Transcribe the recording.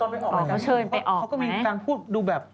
แล้วเชิญไปออกไหม